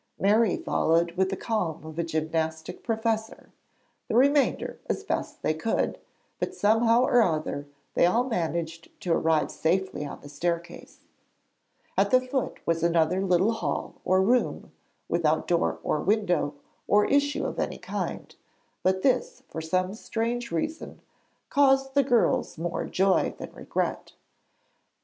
Mary followed with the calm of a gymnastic professor, the remainder as best they could, but somehow or other they all managed to arrive safely on the staircase. At the foot was another little hall or room, without door or window or issue of any kind; but this, for some strange reason, caused the girls more joy than regret.